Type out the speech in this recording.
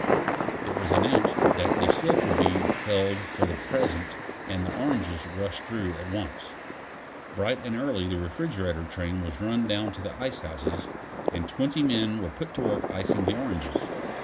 It was announced that the silk would be held for the present and the oranges rushed through at once. Bright and early the refrigerator train was run down to the icehouses, and twenty men were put to work icing the oranges.